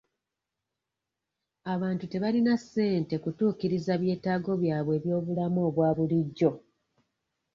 Abantu tebalina ssente kutuukiriza byetaago byabwe eby'obulamu obwa bulijjo.